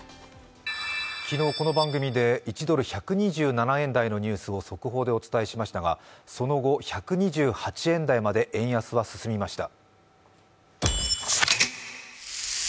昨日この番組で１ドル＝１２７円台のニュースを速報でお伝えしましたが、その後、１２８円台まで円安は進みました。